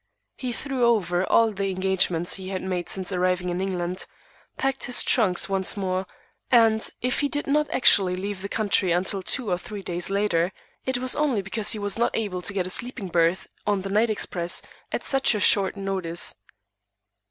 He threw over all the engagements he had made since arriving in England; packed his trunks once more; and, if he did not actually leave the country until two or three days later, it was only because he was not able to get a sleeping berth on the night express at such short notice.